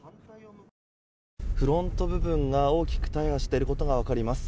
フロント部分が大きく大破していることが分かります。